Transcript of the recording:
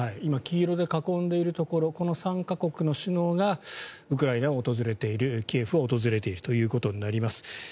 黄色で囲んでいるところの３か国の首脳がウクライナを訪れているキエフを訪れているということになります。